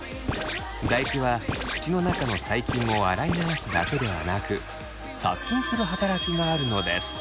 唾液は口の中の細菌を洗い流すだけではなく殺菌する働きがあるのです。